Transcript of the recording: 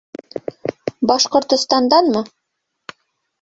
Башҡортостанданмы?